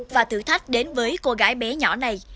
và thử thách đến với cô gái bé nhỏ này